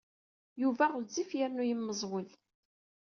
Yuba ɣezzif yernu yemmeẓwel.